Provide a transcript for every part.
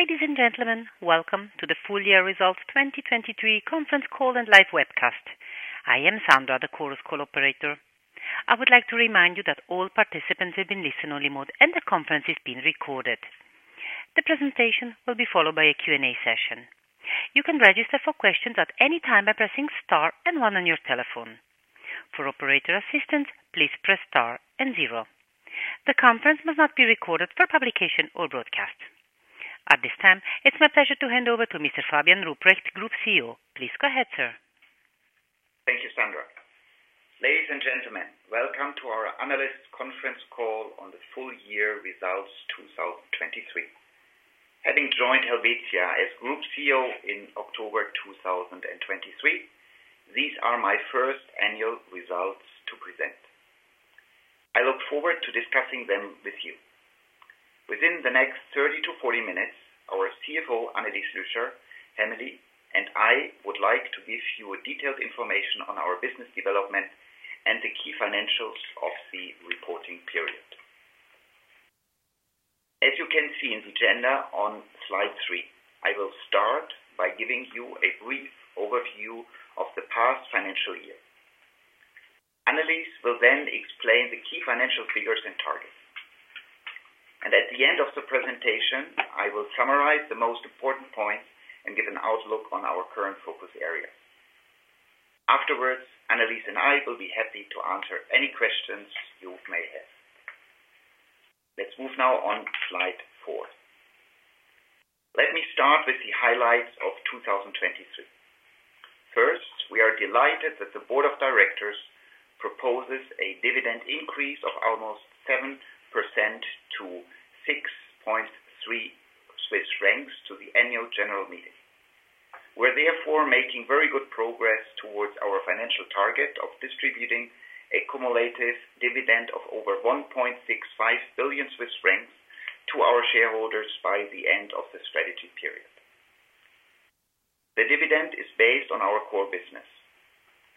Ladies and gentlemen, welcome to the Full Year Results 2023 Conference Call and live webcast. I am Sandra, the Chorus Call operator. I would like to remind you that all participants are in listen-only mode, and the conference is being recorded. The presentation will be followed by a Q&A session. You can register for questions at any time by pressing star and one on your telephone. For operator assistance, please press star and zero. The Conference may not be recorded for publication or broadcast. At this time, it's my pleasure to hand over to Mr. Fabian Rupprecht, Group CEO. Please go ahead, sir. Thank you, Sandra. Ladies and gentlemen, welcome to our Analysts' Conference Call on the Full Year Results 2023. Having joined Helvetia as Group CEO in October 2023, these are my first annual results to present. I look forward to discussing them with you. Within the next 30-40 minutes, our CFO Annelis Lüscher Hämmerli and I would like to give you detailed information on our business development and the key financials of the reporting period. As you can see in the agenda on slide three, I will start by giving you a brief overview of the past financial year. Annelis will then explain the key financial figures and targets. At the end of the presentation, I will summarize the most important points and give an outlook on our current focus areas. Afterwards, Annelis and I will be happy to answer any questions you may have. Let's move now on slide 4. Let me start with the highlights of 2023. First, we are delighted that the Board of Directors proposes a dividend increase of almost 7% to 6.3 Swiss francs to the Annual General Meeting. We're therefore making very good progress towards our financial target of distributing accumulative dividend of over 1.65 billion Swiss francs to our shareholders by the end of the strategy period. The dividend is based on our core business.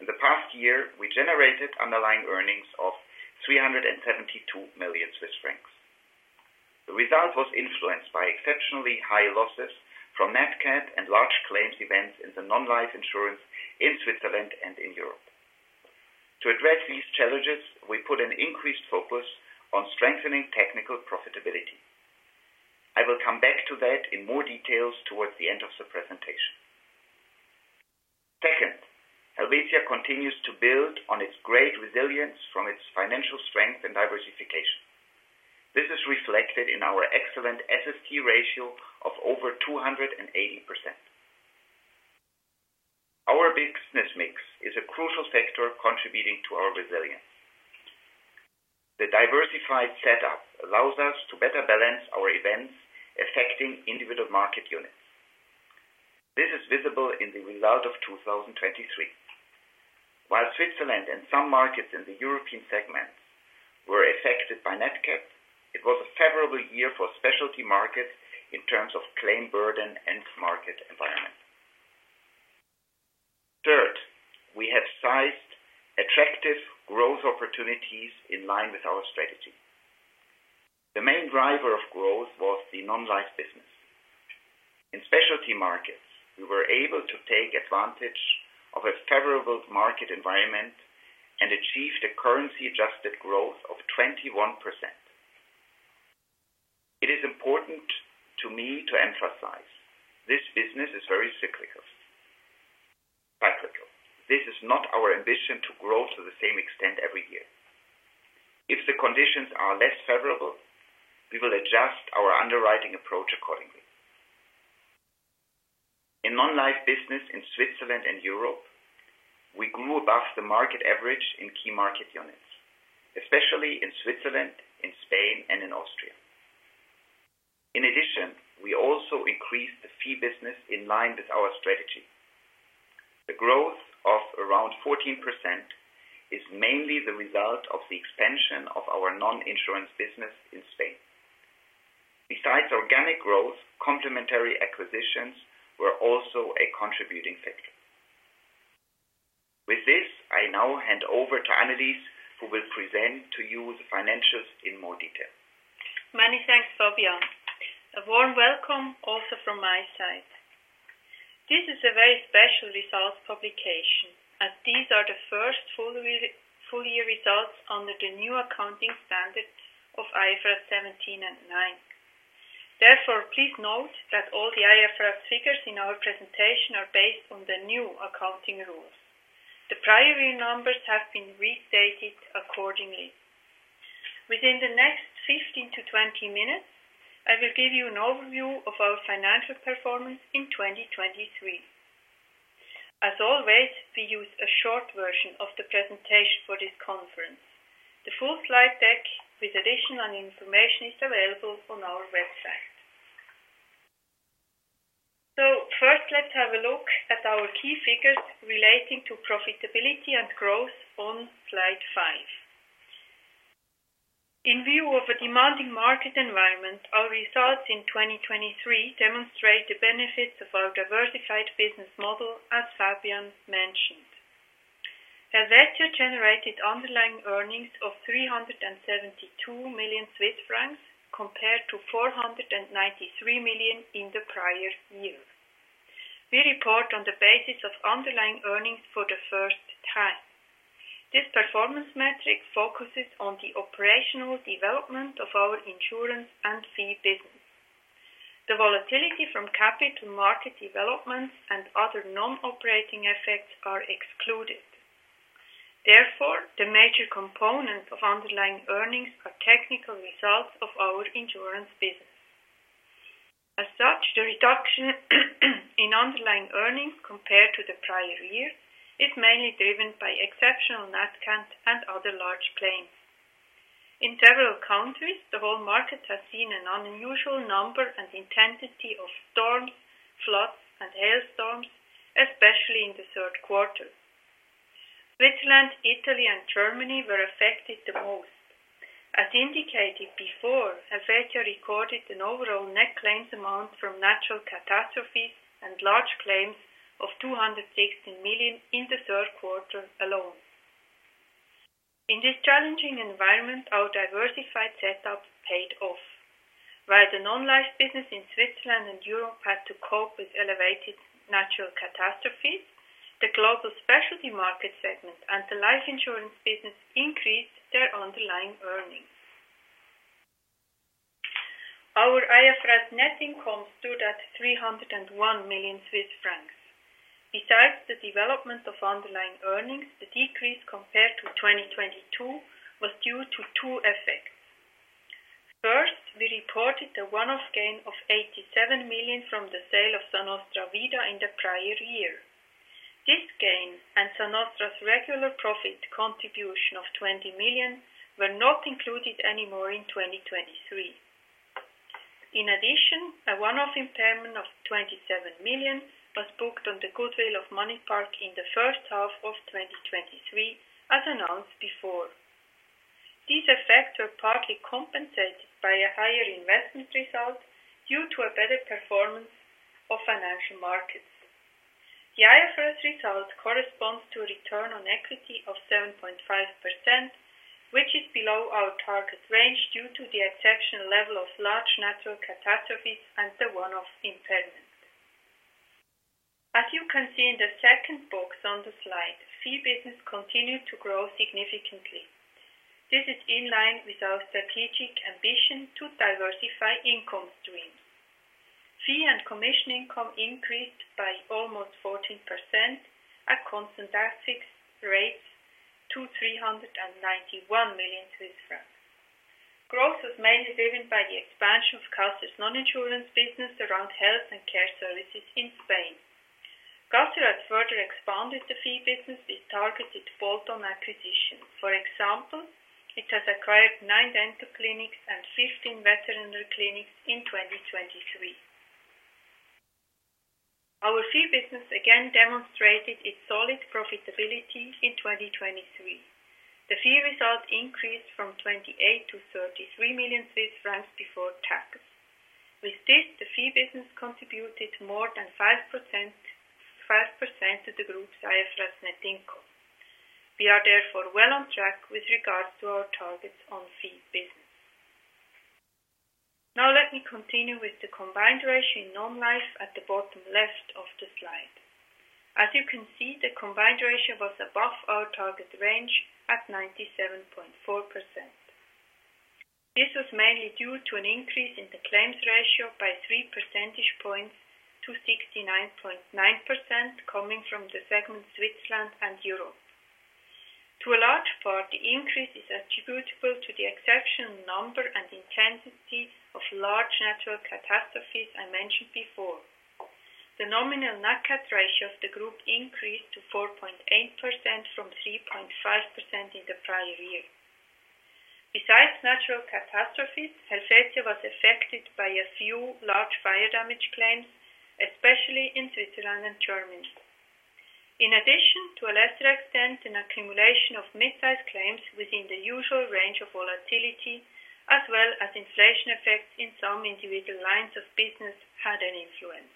In the past year, we generated underlying earnings of 372 million Swiss francs. The result was influenced by exceptionally high losses from Nat Cat and large claims events in the non-life insurance in Switzerland and in Europe. To address these challenges, we put an increased focus on strengthening technical profitability. I will come back to that in more details towards the end of the presentation. Second, Helvetia continues to build on its great resilience from its financial strength and diversification. This is reflected in our excellent SST ratio of over 280%. Our business mix is a crucial factor contributing to our resilience. The diversified setup allows us to better balance our events affecting individual market units. This is visible in the result of 2023. While Switzerland and some markets in the European segments were affected by Nat Cat, it was a favorable year for specialty markets in terms of claim burden and market environment. Third, we have sized attractive growth opportunities in line with our strategy. The main driver of growth was the non-life business. In specialty markets, we were able to take advantage of a favorable market environment and achieve the currency-adjusted growth of 21%. It is important to me to emphasize this business is very cyclical. This is not our ambition to grow to the same extent every year. If the conditions are less favorable, we will adjust our underwriting approach accordingly. In non-life business in Switzerland and Europe, we grew above the market average in key market units, especially in Switzerland, in Spain, and in Austria. In addition, we also increased the fee business in line with our strategy. The growth of around 14% is mainly the result of the expansion of our non-insurance business in Spain. Besides organic growth, complementary acquisitions were also a contributing factor. With this, I now hand over to Annelis, who will present to you the financials in more detail. Many thanks, Fabian. A warm welcome also from my side. This is a very special results publication, as these are the first Full Year Results under the new accounting standards of IFRS 17 and 9. Therefore, please note that all the IFRS figures in our presentation are based on the new accounting rules. The prior year numbers have been restated accordingly. Within the next 15-20 minutes, I will give you an overview of our financial performance in 2023. As always, we use a short version of the presentation for this conference. The full slide deck with additional information is available on our website. First, let's have a look at our key figures relating to profitability and growth on slide five. In view of a demanding market environment, our results in 2023 demonstrate the benefits of our diversified business model, as Fabian mentioned. Helvetia generated underlying earnings of 372 million Swiss francs compared to 493 million in the prior year. We report on the basis of underlying earnings for the first time. This performance metric focuses on the operational development of our insurance and fee business. The volatility from capital market developments and other non-operating effects are excluded. Therefore, the major components of underlying earnings are technical results of our insurance business. As such, the reduction in underlying earnings compared to the prior year is mainly driven by exceptional Nat Cat and other large claims. In several countries, the whole market has seen an unusual number and intensity of storms, floods, and hailstorms, especially in the Q3. Switzerland, Italy, and Germany were affected the most. As indicated before, Helvetia recorded an overall net claims amount from natural catastrophes and large claims of 216 million in the third quarter alone. In this challenging environment, our diversified setup paid off. While the non-life business in Switzerland and Europe had to cope with elevated natural catastrophes, the global specialty market segment and the life insurance business increased their underlying earnings. Our IFRS net incomes stood at 301 million Swiss francs. Besides the development of underlying earnings, the decrease compared to 2022 was due to two effects. First, we reported a one-off gain of 87 million from the sale of Sa Nostra Vida in the prior year. This gain and Sa Nostra's regular profit contribution of 20 million were not included anymore in 2023. In addition, a one-off impairment of 27 million was booked on the goodwill of MoneyPark in the first half of 2023, as announced before. These effects were partly compensated by a higher investment result due to a better performance of financial markets. The IFRS result corresponds to a return on equity of 7.5%, which is below our target range due to the exceptional level of large natural catastrophes and the one-off impairment. As you can see in the second box on the slide, fee business continued to grow significantly. This is in line with our strategic ambition to diversify income streams. Fee and commission income increased by almost 14% at constant fixed rates to 391 million Swiss francs. Growth was mainly driven by the expansion of Caser's non-insurance business around health and care services in Spain. Caser has further expanded the fee business with targeted bolt-on acquisitions. For example, it has acquired nine dental clinics and 15 veterinary clinics in 2023. Our fee business again demonstrated its solid profitability in 2023. The fee result increased from 28 million-33 million Swiss francs before tax. With this, the fee business contributed more than 5% to the group's IFRS net income. We are therefore well on track with regards to our targets on fee business. Now let me continue with the combined ratio in non-life at the bottom left of the slide. As you can see, the combined ratio was above our target range at 97.4%. This was mainly due to an increase in the claims ratio by three percentage points to 69.9% coming from the segments Switzerland and Europe. To a large part, the increase is attributable to the exceptional number and intensity of large natural catastrophes I mentioned before. The nominal Nat Cat ratio of the group increased to 4.8% from 3.5% in the prior year. Besides natural catastrophes, Helvetia was affected by a few large fire damage claims, especially in Switzerland and Germany. In addition, to a lesser extent, an accumulation of mid-sized claims within the usual range of volatility, as well as inflation effects in some individual lines of business, had an influence.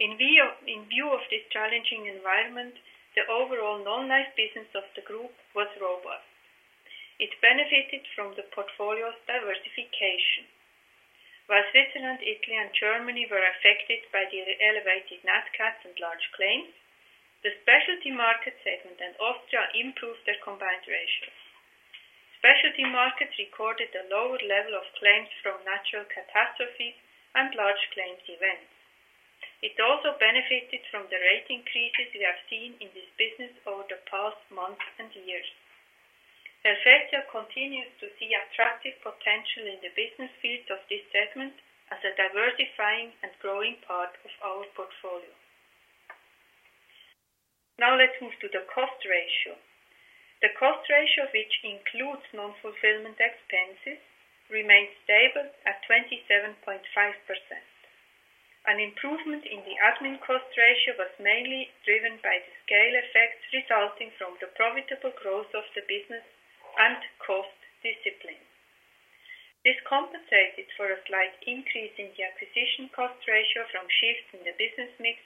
In view of this challenging environment, the overall non-life business of the group was robust. It benefited from the portfolio's diversification. While Switzerland, Italy, and Germany were affected by the elevated Nat Cats and large claims, the specialty market segment and Austria improved their combined ratio. Specialty markets recorded a lower level of claims from natural catastrophes and large claims events. It also benefited from the rate increases we have seen in this business over the past months and years. Helvetia continues to see attractive potential in the business fields of this segment as a diversifying and growing part of our portfolio. Now let's move to the cost ratio. The cost ratio, which includes non-fulfillment expenses, remained stable at 27.5%. An improvement in the admin cost ratio was mainly driven by the scale effects resulting from the profitable growth of the business and cost discipline. This compensated for a slight increase in the acquisition cost ratio from shifts in the business mix,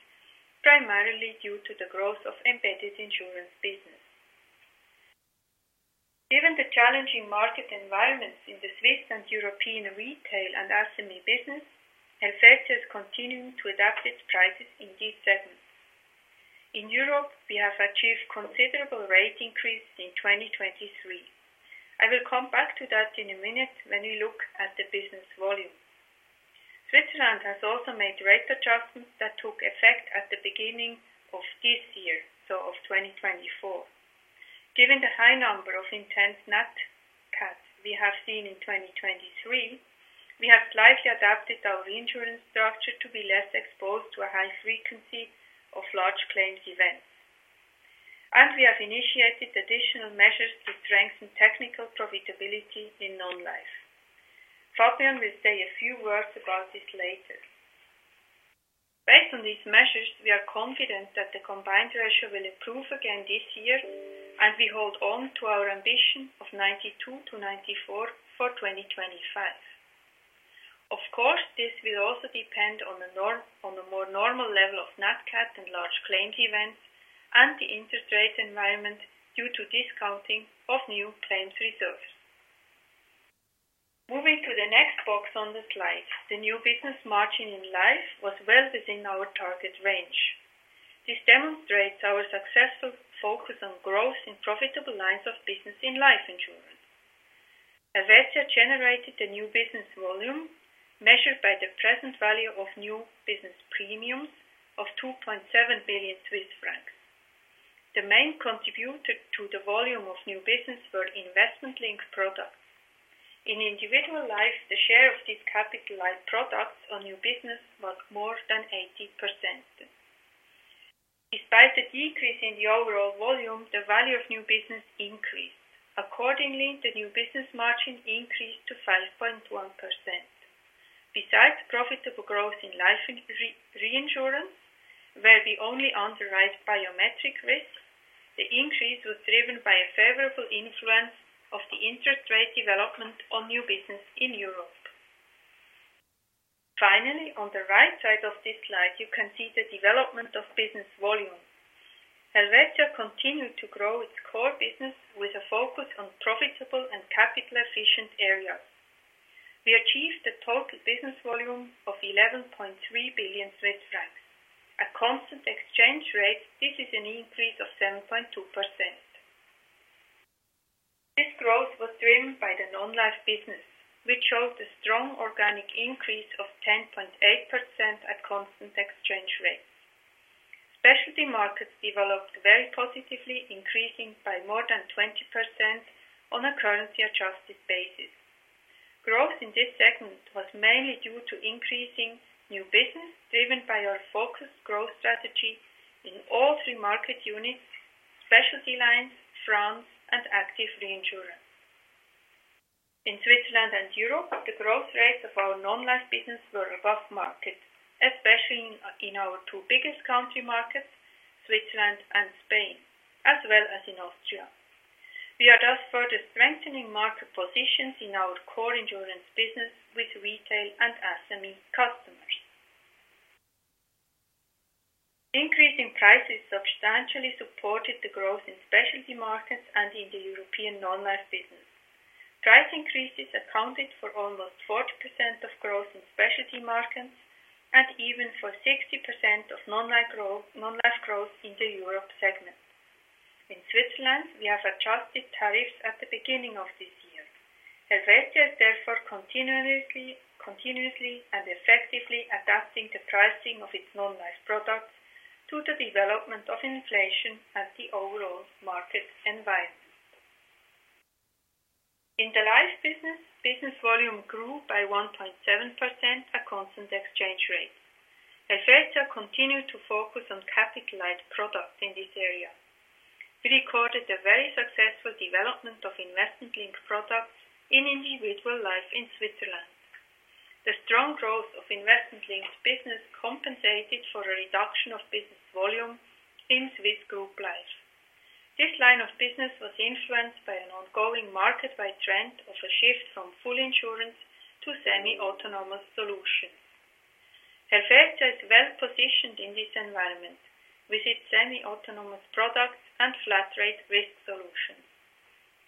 primarily due to the growth of embedded insurance business. Given the challenging market environments in the Swiss and European retail and SME business, Helvetia is continuing to adapt its prices in these segments. In Europe, we have achieved considerable rate increases in 2023. I will come back to that in a minute when we look at the business volume. Switzerland has also made rate adjustments that took effect at the beginning of this year, so of 2024. Given the high number of intense Nat Cats we have seen in 2023, we have slightly adapted our reinsurance structure to be less exposed to a high frequency of large claims events. We have initiated additional measures to strengthen technical profitability in non-life. Fabian will say a few words about this later. Based on these measures, we are confident that the combined ratio will improve again this year, and we hold on to our ambition of 92-94% for 2025. Of course, this will also depend on a more normal level of Nat Cat and large claims events and the interest rate environment due to discounting of new claims reserves. Moving to the next box on the slide, the new business margin in life was well within our target range. This demonstrates our successful focus on growth in profitable lines of business in life insurance. Helvetia generated the new business volume measured by the present value of new business premiums of 2.7 billion Swiss francs. The main contributor to the volume of new business were investment-linked products. In individual life, the share of these capital-like products on new business was more than 80%. Despite the decrease in the overall volume, the value of new business increased. Accordingly, the new business margin increased to 5.1%. Besides profitable growth in life reinsurance, where we only underwrite biometric risks, the increase was driven by a favorable influence of the interest rate development on new business in Europe. Finally, on the right side of this slide, you can see the development of business volume. Helvetia continued to grow its core business with a focus on profitable and capital-efficient areas. We achieved a total business volume of 11.3 billion Swiss francs. At constant exchange rates, this is an increase of 7.2%. This growth was driven by the non-life business, which showed a strong organic increase of 10.8% at constant exchange rates. Specialty markets developed very positively, increasing by more than 20% on a currency-adjusted basis. Growth in this segment was mainly due to increasing new business driven by our focused growth strategy in all three market units, specialty lines, France, and active reinsurance. In Switzerland and Europe, the growth rates of our non-life business were above market, especially in our two biggest country markets, Switzerland and Spain, as well as in Austria. We are thus further strengthening market positions in our core insurance business with retail and SME customers. Increasing prices substantially supported the growth in specialty markets and in the European non-life business. Price increases accounted for almost 40% of growth in specialty markets and even for 60% of non-life growth in the Europe segment. In Switzerland, we have adjusted tariffs at the beginning of this year. Helvetia is therefore continuously and effectively adapting the pricing of its non-life products to the development of inflation and the overall market environment. In the life business, business volume grew by 1.7% at constant exchange rates. Helvetia continued to focus on capital-like products in this area. We recorded a very successful development of investment-linked products in individual life in Switzerland. The strong growth of investment-linked business compensated for a reduction of business volume in Swiss group life. This line of business was influenced by an ongoing market-wide trend of a shift from full insurance to semi-autonomous solutions. Helvetia is well positioned in this environment with its semi-autonomous products and flat-rate risk solutions.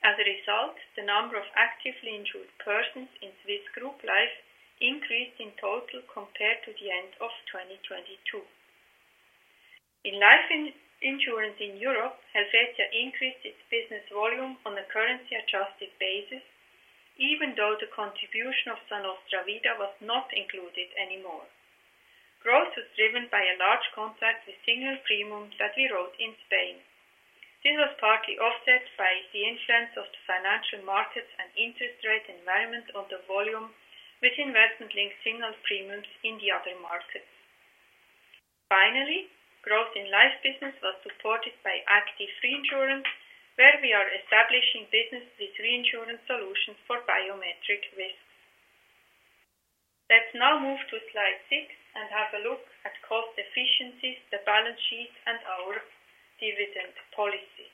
As a result, the number of actively insured persons in Swiss group life increased in total compared to the end of 2022. In life insurance in Europe, Helvetia increased its business volume on a currency-adjusted basis, even though the contribution of Sa Nostra Vida was not included anymore. Growth was driven by a large contract with single premium that we wrote in Spain. This was partly offset by the influence of the financial markets and interest rate environment on the volume with investment-linked single premiums in the other markets. Finally, growth in life business was supported by active reinsurance, where we are establishing business with reinsurance solutions for biometric risks. Let's now move to slide six and have a look at cost efficiencies, the balance sheet, and our dividend policy.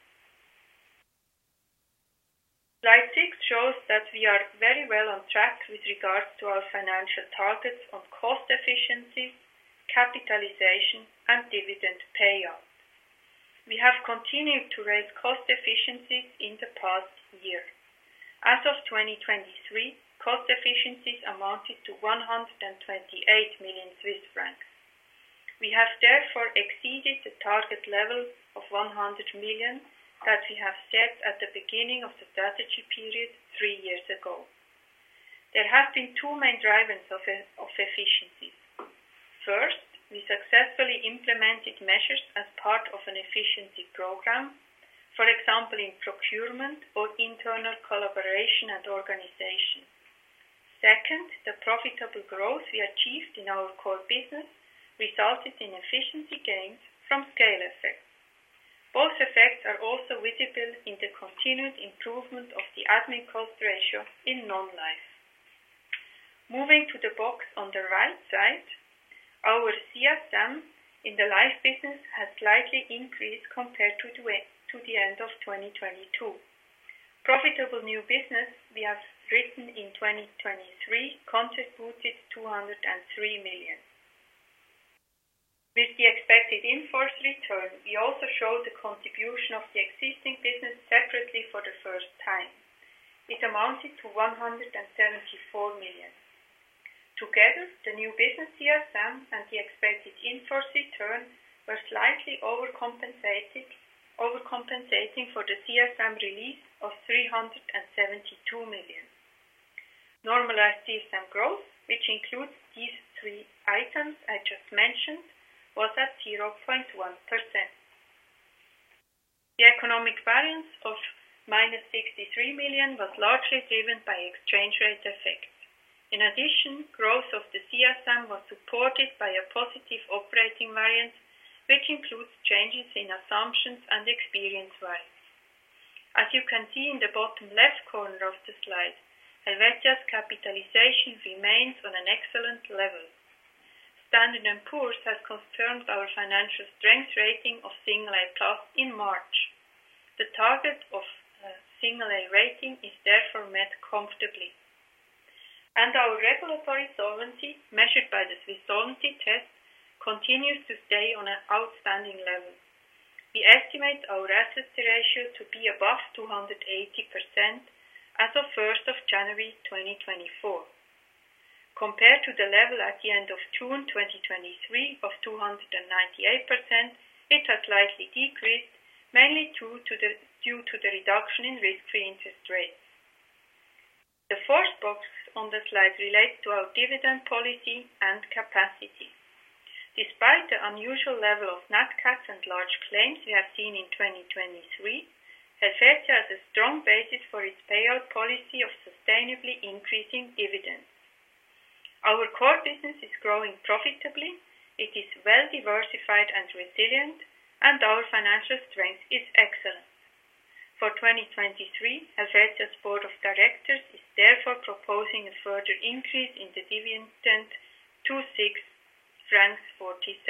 Slide six shows that we are very well on track with regards to our financial targets on cost efficiencies, capitalization, and dividend payout. We have continued to raise cost efficiencies in the past year. As of 2023, cost efficiencies amounted to 128 million Swiss francs. We have therefore exceeded the target level of 100 million that we have set at the beginning of the strategy period three years ago. There have been two main drivers of efficiencies. First, we successfully implemented measures as part of an efficiency program, for example, in procurement or internal collaboration and organization. Second, the profitable growth we achieved in our core business resulted in efficiency gains from scale effects. Both effects are also visible in the continued improvement of the admin cost ratio in non-life. Moving to the box on the right side, our CSM in the life business has slightly increased compared to the end of 2022. Profitable new business we have written in 2023 contributed 203 million. With the expected investment return, we also showed the contribution of the existing business separately for the first time. It amounted to 174 million. Together, the new business CSM and the expected investment return were slightly overcompensating for the CSM release of 372 million. Normalized CSM growth, which includes these three items I just mentioned, was at 0.1%. The economic variance of -63 million was largely driven by exchange rate effects. In addition, growth of the CSM was supported by a positive operating variance, which includes changes in assumptions and experience variance. As you can see in the bottom left corner of the slide, Helvetia's capitalization remains on an excellent level. Standard & Poor's has confirmed our financial strength rating of A+ in March. The target of A rating is therefore met comfortably. Our regulatory solvency, measured by the Swiss Solvency Test, continues to stay on an outstanding level. We estimate our SST ratio to be above 280% as of 1st January 2024. Compared to the level at the end of June 2023 of 298%, it has slightly decreased, mainly due to the reduction in risk-free interest rates. The fourth box on the slide relates to our dividend policy and capacity. Despite the unusual level of Nat Cats and large claims we have seen in 2023, Helvetia has a strong basis for its payout policy of sustainably increasing dividends. Our core business is growing profitably. It is well diversified and resilient, and our financial strength is excellent. For 2023, Helvetia's board of directors is therefore proposing a further increase in the dividend to CHF 6.40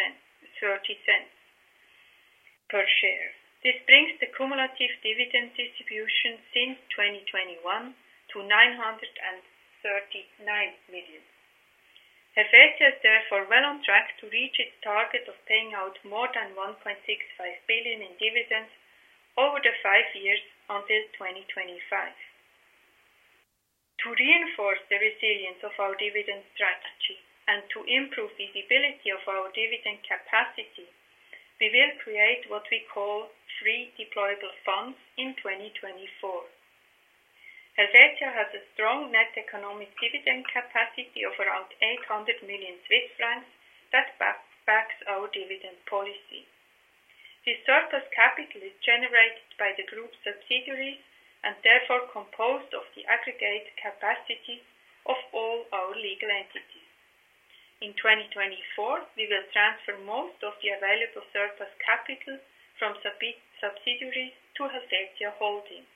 per share. This brings the cumulative dividend distribution since 2021 to 939 million. Helvetia is therefore well on track to reach its target of paying out more than 1.65 billion in dividends over the five years until 2025. To reinforce the resilience of our dividend strategy and to improve visibility of our dividend capacity, we will create what we call free deployable funds in 2024. Helvetia has a strong net economic dividend capacity of around 800 million Swiss francs that backs our dividend policy. This surplus capital is generated by the group subsidiaries and therefore composed of the aggregate capacity of all our legal entities. In 2024, we will transfer most of the available surplus capital from subsidiaries to Helvetia Holding.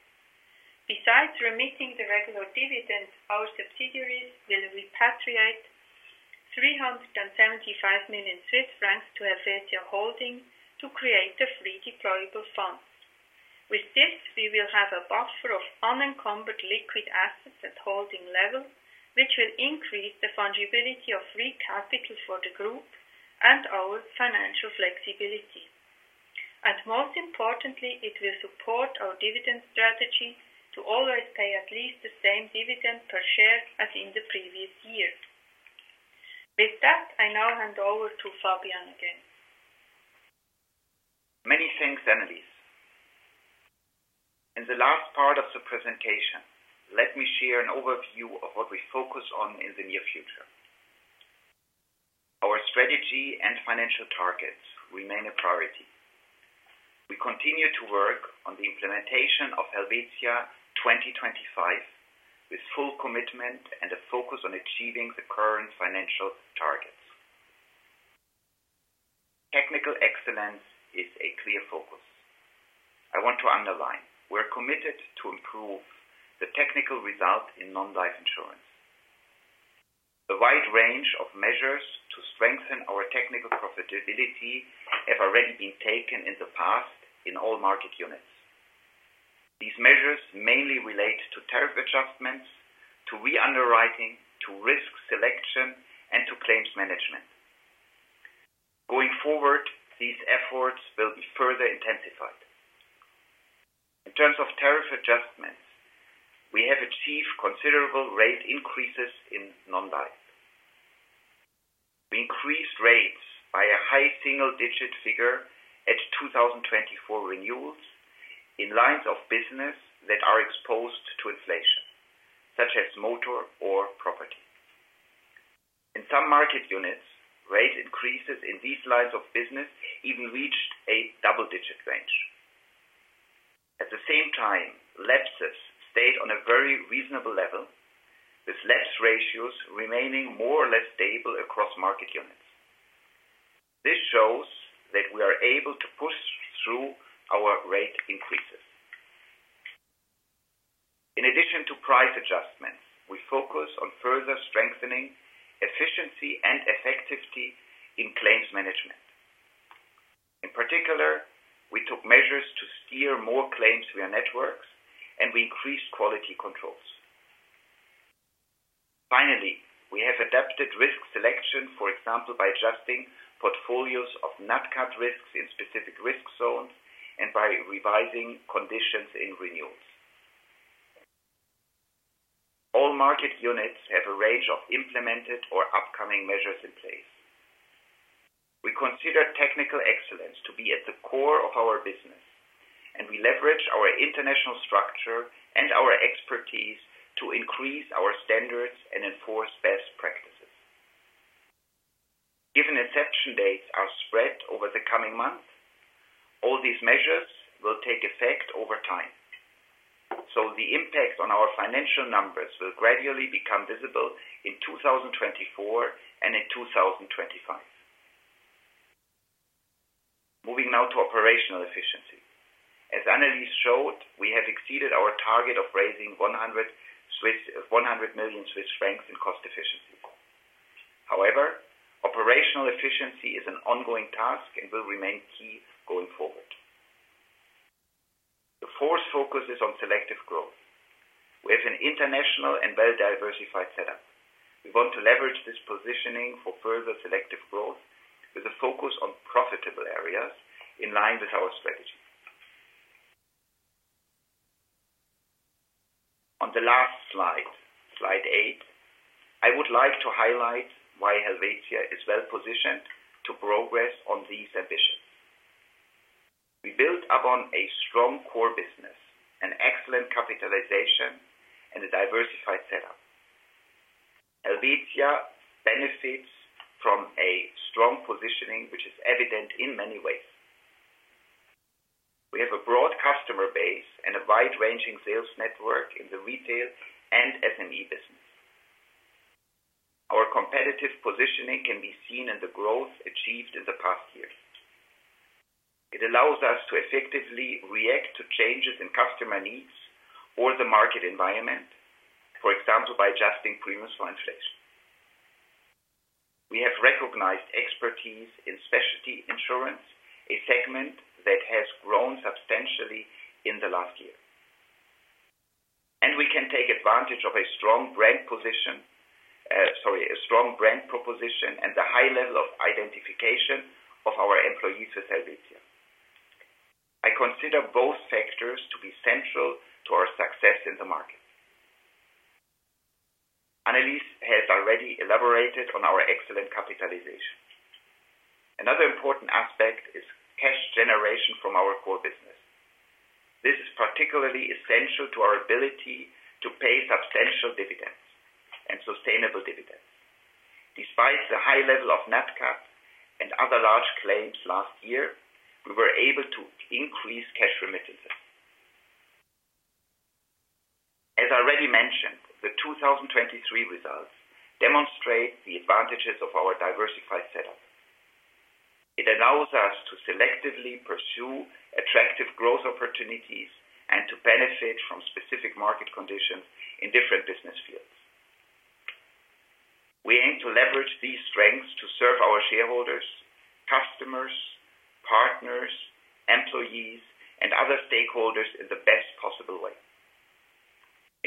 Besides remitting the regular dividend, our subsidiaries will repatriate 375 million Swiss francs to Helvetia Holding to create the free deployable funds. With this, we will have a buffer of unencumbered liquid assets at holding level, which will increase the fungibility of free capital for the group and our financial flexibility. Most importantly, it will support our dividend strategy to always pay at least the same dividend per share as in the previous year. With that, I now hand over to Fabian again. Many thanks, Annelis. In the last part of the presentation, let me share an overview of what we focus on in the near future. Our strategy and financial targets remain a priority. We continue to work on the implementation of Helvetia 2025 with full commitment and a focus on achieving the current financial targets. Technical excellence is a clear focus. I want to underline. We're committed to improve the technical result in non-life insurance. A wide range of measures to strengthen our technical profitability have already been taken in the past in all market units. These measures mainly relate to tariff adjustments, to re-underwriting, to risk selection, and to claims management. Going forward, these efforts will be further intensified. In terms of tariff adjustments, we have achieved considerable rate increases in non-life. We increased rates by a high single-digit figure at 2024 renewals in lines of business that are exposed to inflation, such as motor or property. In some market units, rate increases in these lines of business even reached a double-digit range. At the same time, Lapses stayed on a very reasonable level, with Lapses ratios remaining more or less stable across market units. This shows that we are able to push through our rate increases. In addition to price adjustments, we focus on further strengthening efficiency and effectivity in claims management. In particular, we took measures to steer more claims via networks, and we increased quality controls. Finally, we have adapted risk selection, for example, by adjusting portfolios of Nat Cat risks in specific risk zones and by revising conditions in renewals. All market units have a range of implemented or upcoming measures in place. We consider technical excellence to be at the core of our business, and we leverage our international structure and our expertise to increase our standards and enforce best practices. Given inception dates are spread over the coming month, all these measures will take effect over time. The impact on our financial numbers will gradually become visible in 2024 and in 2025. Moving now to operational efficiency. As Annelis showed, we have exceeded our target of raising 100 million Swiss francs in cost efficiency. However, operational efficiency is an ongoing task and will remain key going forward. The fourth focus is on selective growth. We have an international and well-diversified setup. We want to leverage this positioning for further selective growth with a focus on profitable areas in line with our strategy. On the last slide, slide eight, I would like to highlight why Helvetia is well positioned to progress on these ambitions. We built upon a strong core business, an excellent capitalization, and a diversified setup. Helvetia benefits from a strong positioning, which is evident in many ways. We have a broad customer base and a wide-ranging sales network in the retail and SME business. Our competitive positioning can be seen in the growth achieved in the past years. It allows us to effectively react to changes in customer needs or the market environment, for example, by adjusting premiums for inflation. We have recognized expertise in specialty insurance, a segment that has grown substantially in the last year. And we can take advantage of a strong brand position sorry, a strong brand proposition and the high level of identification of our employees with Helvetia. I consider both factors to be central to our success in the market. Annelis has already elaborated on our excellent capitalization. Another important aspect is cash generation from our core business. This is particularly essential to our ability to pay substantial dividends and sustainable dividends. Despite the high level of Nat Cat and other large claims last year, we were able to increase cash remittances. As already mentioned, the 2023 results demonstrate the advantages of our diversified setup. It allows us to selectively pursue attractive growth opportunities and to benefit from specific market conditions in different business fields. We aim to leverage these strengths to serve our shareholders, customers, partners, employees, and other stakeholders in the best possible way.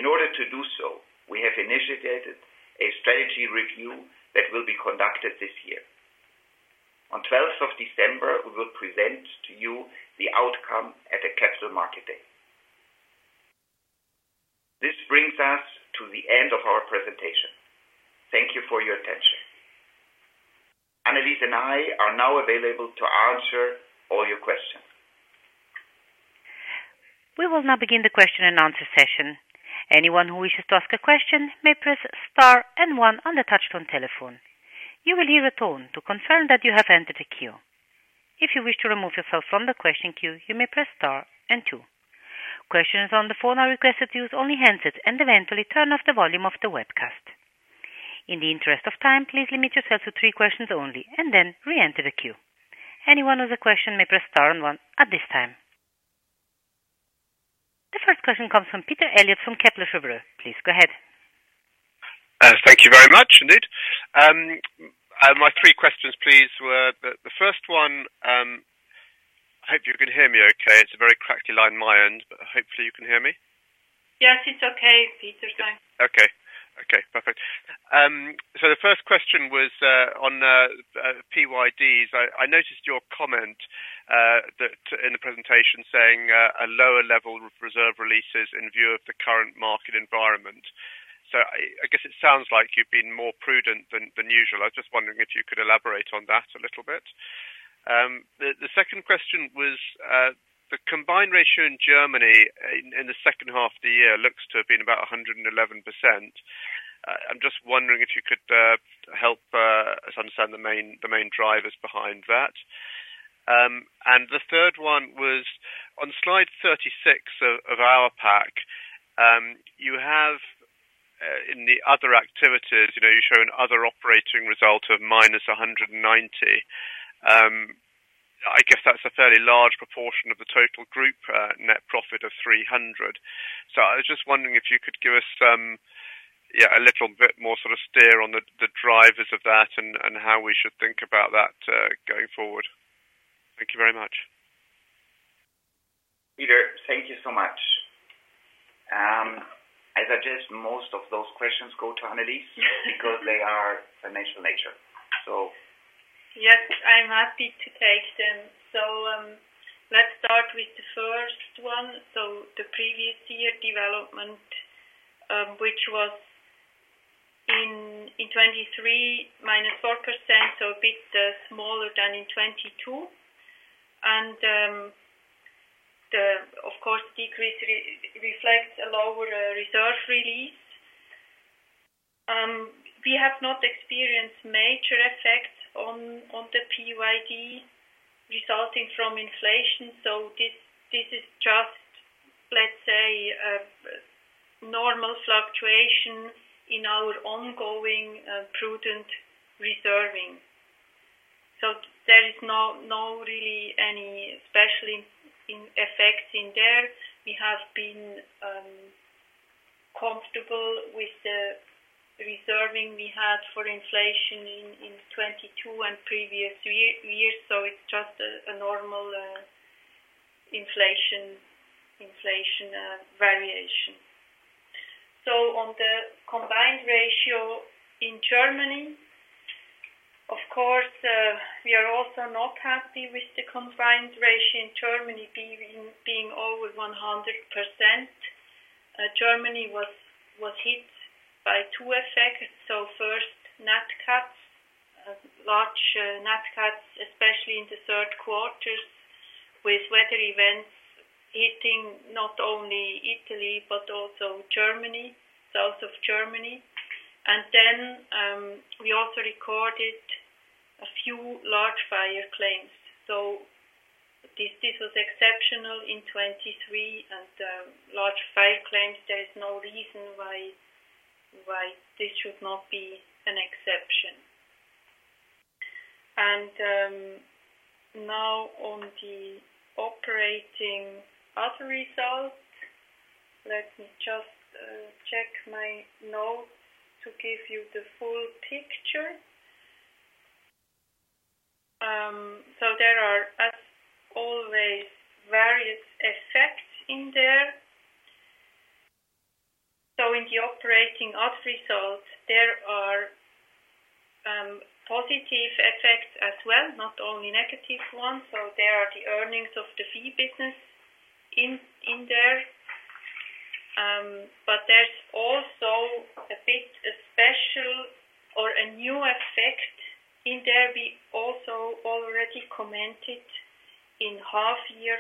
In order to do so, we have initiated a strategy review that will be conducted this year. On 12th of December, we will present to you the outcome at the Capital Market Day. This brings us to the end of our presentation. Thank you for your attention. Annelis and I are now available to answer all your questions. We will now begin the question and answer session. Anyone who wishes to ask a question may press star and one on the touch-tone telephone. You will hear a tone to confirm that you have entered a queue. If you wish to remove yourself from the question queue, you may press star and two. Questions on the phone are requested to use only handsets and eventually turn off the volume of the webcast. In the interest of time, please limit yourself to three questions only and then re-enter the queue. Anyone with a question may press star and one at this time. The first question comes from Peter Eliot from Kepler Cheuvreux. Please go ahead. Thank you very much, indeed. My three questions, please, were the first one I hope you can hear me okay. It's a very crackly line in my end, but hopefully, you can hear me. Yes, it's okay, Peter. Okay. Okay. Perfect. So the first question was on PYDs. I noticed your comment in the presentation saying a lower level of reserve releases in view of the current market environment. So I guess it sounds like you've been more prudent than usual. I was just wondering if you could elaborate on that a little bit. The second question was the combined ratio in Germany in the second half of the year looks to have been about 111%. I'm just wondering if you could help us understand the main drivers behind that. And the third one was on slide 36 of our pack, you have in the other activities, you show another operating result of -190. I guess that's a fairly large proportion of the total group net profit of 300. So I was just wondering if you could give us a little bit more sort of steer on the drivers of that and how we should think about that going forward. Thank you very much. Peter, thank you so much. As I guess, most of those questions go to Annelis because they are financial nature, so. Yes, I'm happy to take them. So let's start with the first one. So the previous year development, which was in 2023 -4%, so a bit smaller than in 2022. And of course, decrease reflects a lower reserve release. We have not experienced major effects on the PYD resulting from inflation. So this is just, let's say, normal fluctuation in our ongoing prudent reserving. So there is no really any special effects in there. We have been comfortable with the reserving we had for inflation in 2022 and previous years. So it's just a normal inflation variation. So on the combined ratio in Germany, of course, we are also not happy with the combined ratio in Germany being over 100%. Germany was hit by two effects. So first, Nat Cat, large Nat Cats, especially in the third quarter with weather events hitting not only Italy but also Germany, south of Germany. And then we also recorded a few large fire claims. So this was exceptional in 2023 and large fire claims. There is no reason why this should not be an exception. Now on the operating other result, let me just check my notes to give you the full picture. So there are, as always, various effects in there. So in the operating other result, there are positive effects as well, not only negative ones. So there are the earnings of the fee business in there. But there's also a bit of special or a new effect in there. We also already commented in half-year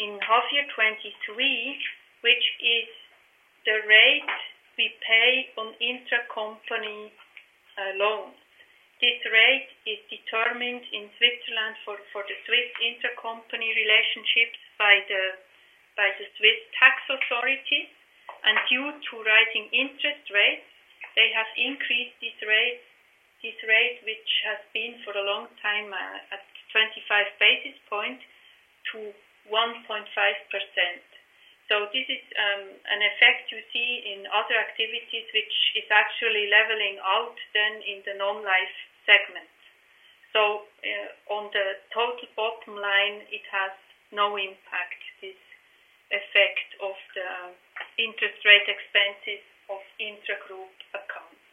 2023, which is the rate we pay on intercompany loans. This rate is determined in Switzerland for the Swiss intercompany relationships by the Swiss Tax Authority. And due to rising interest rates, they have increased this rate, which has been for a long time at 25 basis points to 1.5%. So this is an effect you see in other activities, which is actually leveling out then in the non-life segment. So on the total bottom line, it has no impact, this effect of the interest rate expenses of intergroup accounts.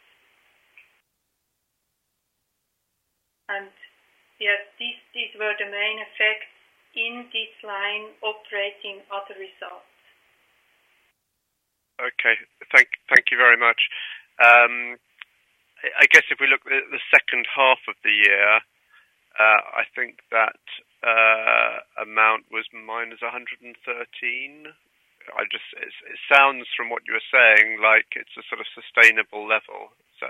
And yes, these were the main effects in this line operating other result. Okay. Thank you very much. I guess if we look at the second half of the year, I think that amount was -113. It sounds, from what you were saying, like it's a sort of sustainable level. Is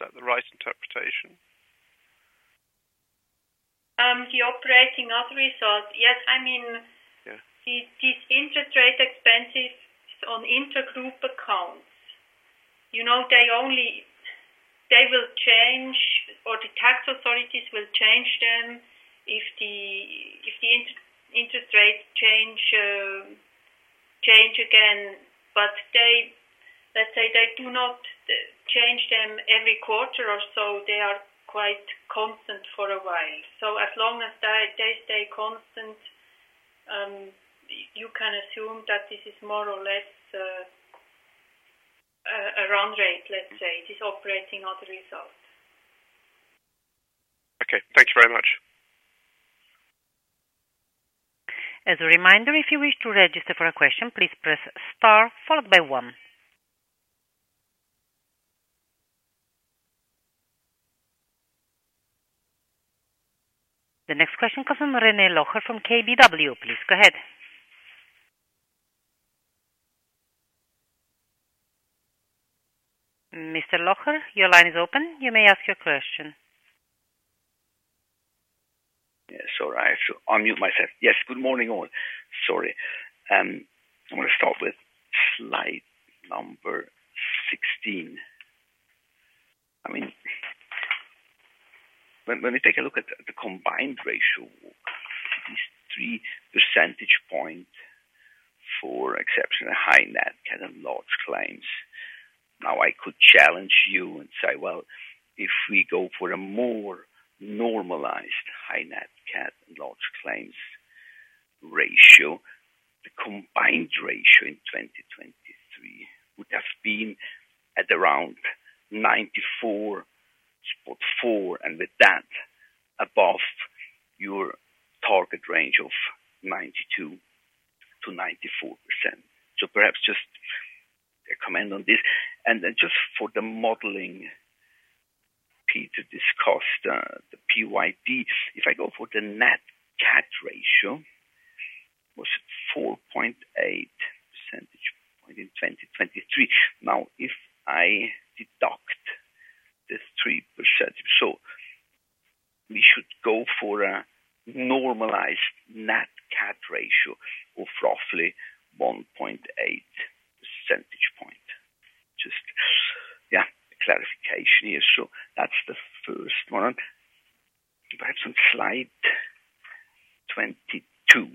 that the right interpretation? The operating other result, yes. I mean, these interest rate expenses on intergroup accounts, they will change or the tax authorities will change them if the interest rates change again. But let's say they do not change them every quarter or so. They are quite constant for a while. So as long as they stay constant, you can assume that this is more or less a run rate, let's say, this operating other result. Okay. Thank you very much. As a reminder, if you wish to register for a question, please press star followed by one. The next question comes from René Locher from KBW. Please go ahead. Mr. Locher, your line is open. You may ask your question. Yes. All right. So I'll mute myself. Yes. Good morning, all. Sorry. I want to start with slide 16. I mean, when we take a look at the combined ratio, these 3 percentage points for exceptional high Nat Cat and large claims. Now, I could challenge you and say, "Well, if we go for a more normalized high Nat Cat and large claims ratio, the combined ratio in 2023 would have been at around 94.4, and with that, above your target range of 92-94%." So perhaps just a comment on this. And then just for the modeling, Peter discussed the PYD. If I go for the Nat Cat ratio, was it 4.8 percentage points in 2023? Now, if I deduct the 3 percentage points so we should go for a normalized Nat Cat ratio of roughly 1.8 percentage points. Just, yeah, a clarification here. So that's the first one. Perhaps on slide 22,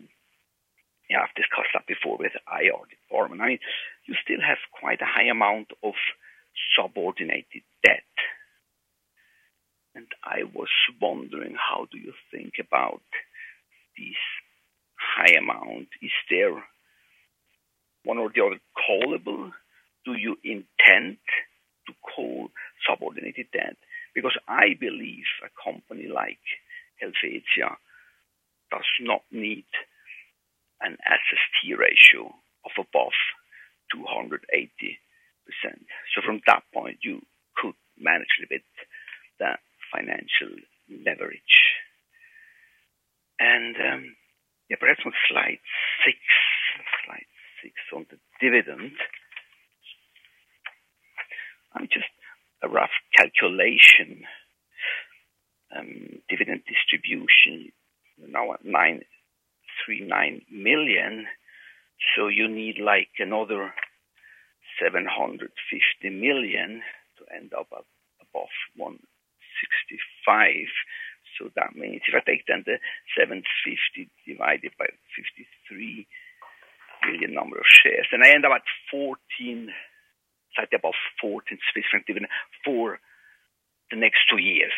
I have discussed that before with IR department. I mean, you still have quite a high amount of subordinated debt. And I was wondering, how do you think about this high amount? Is there one or the other callable? Do you intend to call subordinated debt? Because I believe a company like Helvetia does not need an SST ratio of above 280%. So from that point, you could manage a little bit the financial leverage. And yeah, perhaps on slide six on the dividend, I'm just a rough calculation. Dividend distribution, you're now at 939 million. So you need another 750 million to end up above 165. So that means if I take then the 750 divided by 53 million number of shares, then I end up at 14, slightly above 14, Swiss franc dividend for the next two years.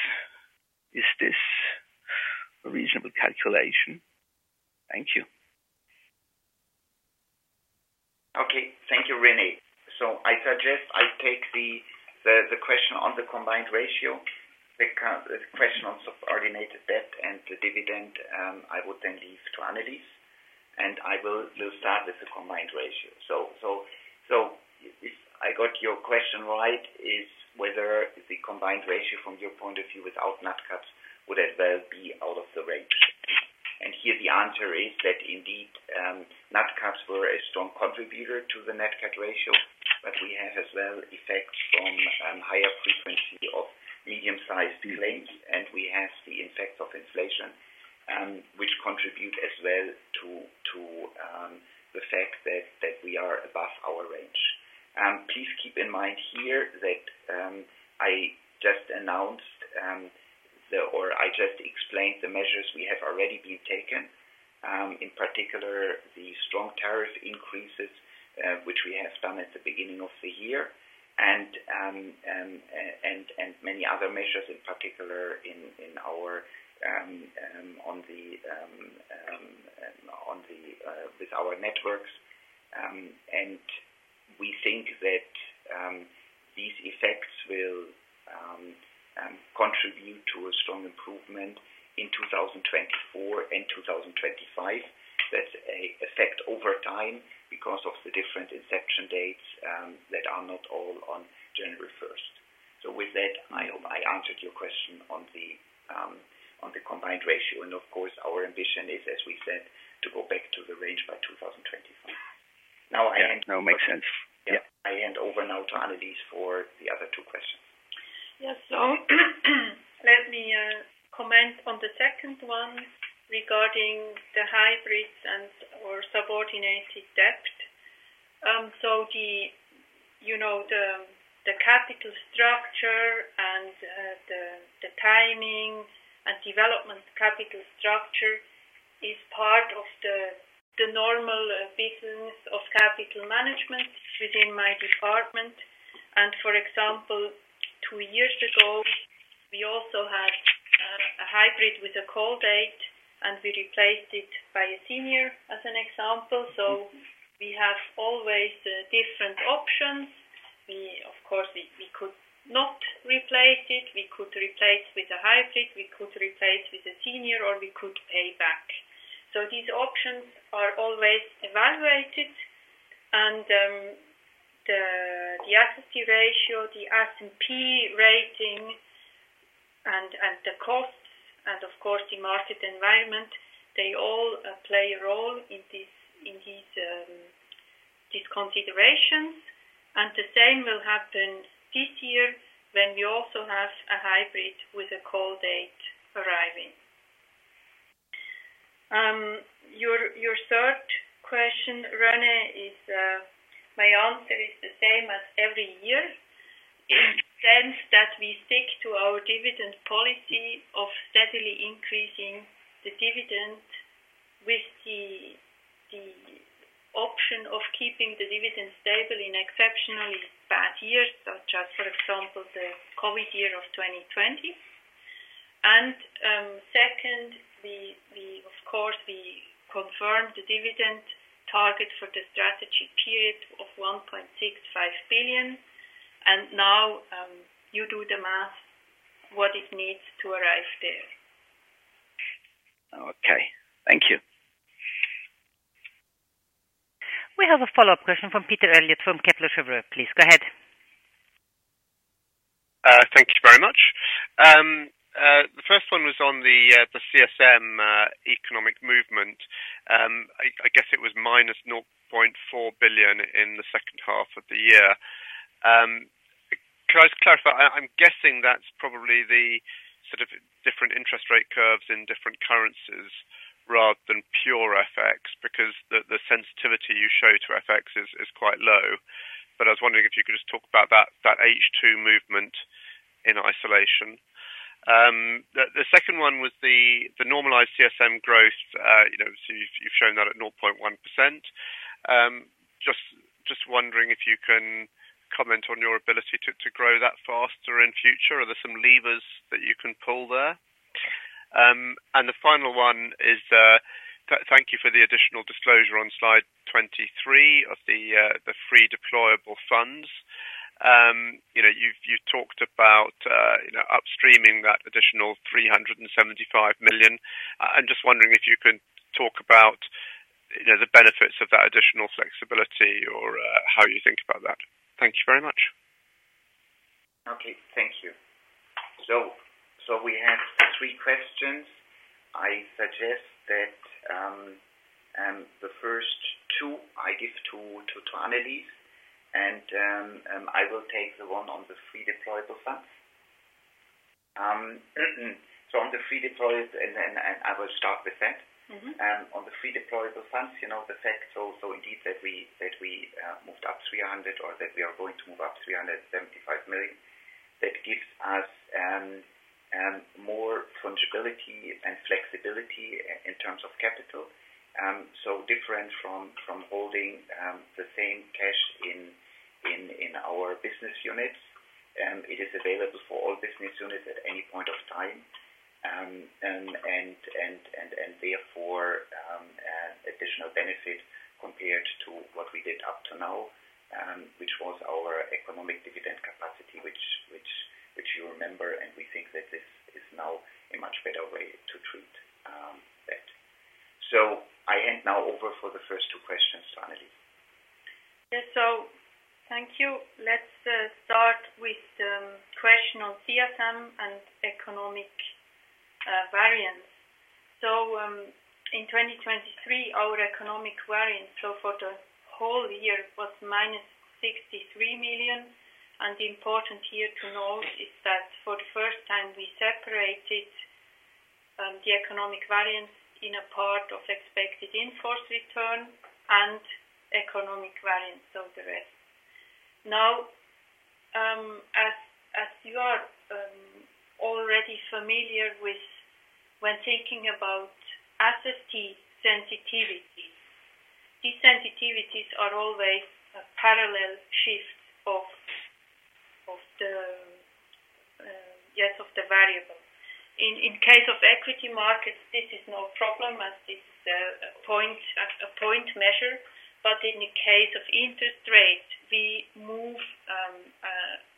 Is this a reasonable calculation? Thank you. Okay. Thank you, René. So I suggest I take the question on the combined ratio, the question on subordinated debt and the dividend, I would then leave to Annelis. And we'll start with the combined ratio. So if I got your question right, is whether the combined ratio from your point of view without Nat Cats would as well be out of the range? And here, the answer is that indeed, Nat Cats were a strong contributor to the Nat Cat ratio, but the normal business of capital management within my department. And for example, two years ago, we also had a hybrid with a call date, and we replaced it by a senior, as an example. So we have always different options. Of course, we could not replace it. We could replace with a hybrid. We could replace with a senior, or we could pay back. So these options are always evaluated. And the SST ratio, the S&P rating, and the costs, and of course, the market environment, they all play a role in these considerations. And the same will happen this year when we also have a hybrid with a call date arriving. Your third question, René, is my answer is the same as every year in the sense that we stick to our dividend policy of steadily increasing the dividend with the option of keeping the dividend stable in exceptionally bad years, such as, for example, the COVID year of 2020. And second, of course, we confirm the dividend target for the strategy period of 1.65 billion. And now, you do the math what it needs to arrive there. Okay. Thank you. We have a follow-up question from Peter Eliot from Kepler Cheuvreux. Please go ahead. Thank you very much. The first one was on the CSM economic movement. I guess it was -0.4 billion in the second half of the year. Can I just clarify? I'm guessing that's probably the sort of different interest rate curves in different currencies rather than pure FX because the sensitivity you show to FX is quite low. But I was wondering if you could just talk about that H2 movement in isolation. The second one was the normalized CSM growth. So you've shown that at 0.1%. Just wondering if you can comment on your ability to grow that faster in future. Are there some levers that you can pull there? And the final one is thank you for the additional disclosure on slide 23 of the free deployable funds. You've talked about upstreaming that additional 375 million. I'm just wondering if you could talk about the benefits of that additional flexibility or how you think about that. Thank you very much. Okay. Thank you. So we have three questions. I suggest that the first two, I give to Annelis. I will take the one on the free deployable funds. So on the free deployable, and I will start with that. On the free deployable funds, the fact, so indeed, that we moved up 300 million or that we are going to move up 375 million, that gives us more fungibility and flexibility in terms of capital. So different from holding the same cash in our business units, it is available for all business units at any point of time. And therefore, additional benefit compared to what we did up to now, which was our economic dividend capacity, which you remember. And we think that this is now a much better way to treat that. So I hand now over for the first two questions to Annelis. Yes. So thank you. Let's start with the question on CSM and economic variance. So in 2023, our economic variance, so for the whole year, was -63 million. The important here to note is that for the first time, we separated the economic variance in a part of expected investment return and economic variance, so the rest. Now, as you are already familiar with when thinking about SST sensitivity, these sensitivities are always a parallel shift of the, of the variable. In case of equity markets, this is no problem as this is a point measure. But in the case of interest rates, we move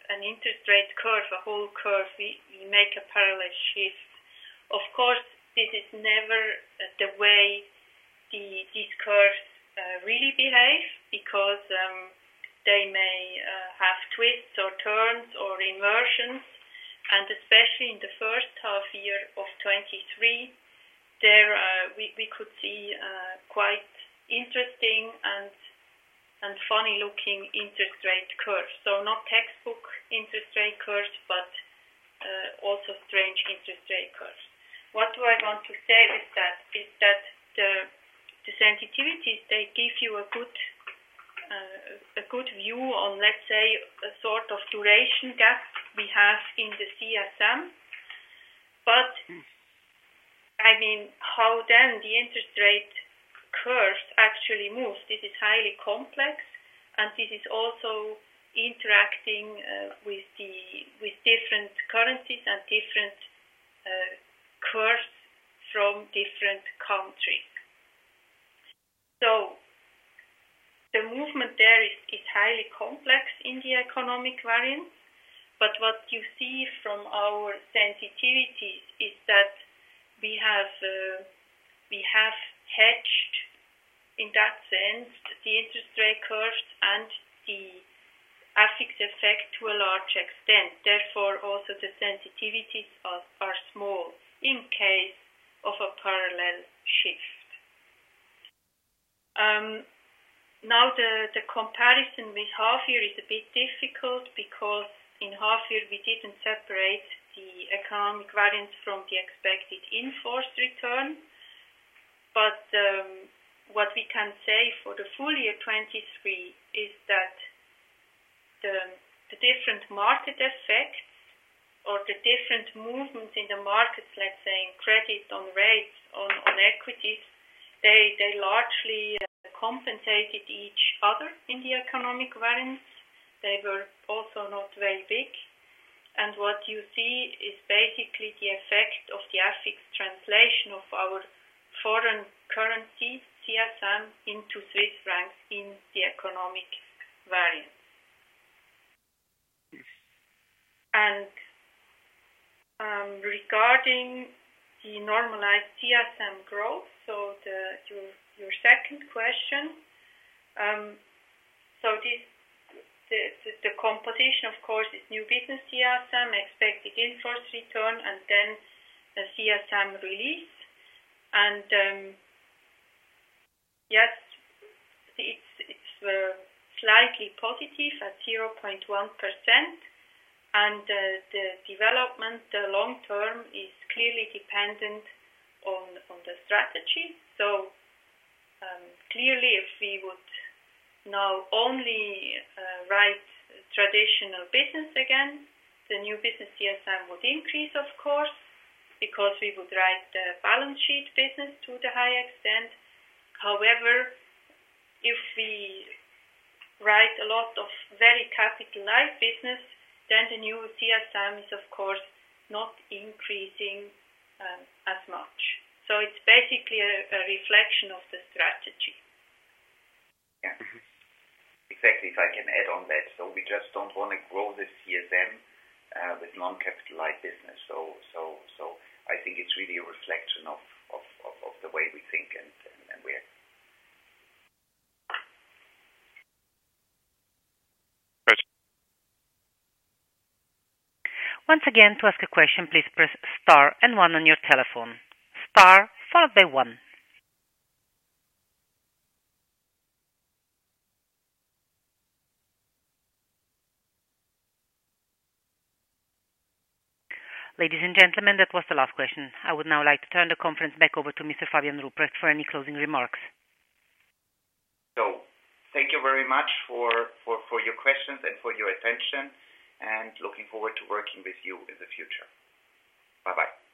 an interest rate curve, a whole curve. We make a parallel shift. Of course, this is never the way these curves really behave because they may have twists or turns or inversions. Especially in the first half year of 2023, we could see quite interesting and funny-looking interest rate curves. So not textbook interest rate curves, but also strange interest rate curves. What do I want to say with that is that the sensitivities, they give you a good view on, let's say, a sort of duration gap we have in the CSM. But I mean, how then the interest rate curves actually moves? This is highly complex. And this is also interacting with different currencies and different curves from different countries. So the movement there is highly complex in the economic variance. But what you see from our sensitivities is that we have hedged, in that sense, the interest rate curves and the FX effect to a large extent. Therefore, also, the sensitivities are small in case of a parallel shift. Now, the comparison with half-year is a bit difficult because in half-year, we didn't separate the economic variance from the expected investment return. But what we can say for the full year 2023 is that the different market effects or the different movements in the markets, let's say, in credit on rates, on equities, they largely compensated each other in the economic variance. They were also not very big. And what you see is basically the effect of the FX translation of our foreign currency, CSM, into Swiss francs in the economic variance. And regarding the normalized CSM growth, so your second question, so the composition, of course, is new business CSM, expected investment return, and then a CSM release. And yes, it's slightly positive at 0.1%. And the development, the long term, is clearly dependent on the strategy. So clearly, if we would now only write traditional business again, the new business CSM would increase, of course, because we would write the balance sheet business to the high extent. However, if we write a lot of very capitalized business, then the new CSM is, of course, not increasing as much. So it's basically a reflection of the strategy. Yeah. Exactly. If I can add on that. So we just don't want to grow the CSM with non-capitalized business. So I think it's really a reflection of the way we think and we're. Once again, to ask a question, please press star and one on your telephone. Star followed by one. Ladies and gentlemen, that was the last question. I would now like to turn the conference back over to Mr. Fabian Rupprecht for any closing remarks. So thank you very much for your questions and for your attention. And looking forward to working with you in the future. Bye-bye.